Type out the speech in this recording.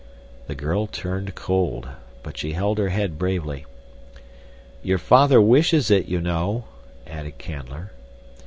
The girl turned cold, but she held her head bravely. "Your father wishes it, you know," added Canler.